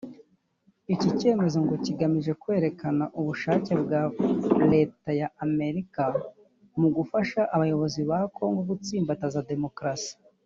Iki cyemezo ngo kigamije kwerekana ubushake bwa Leta ya Amerika mu gufasha abayobozi ba Congo gutsimbataza demokarasi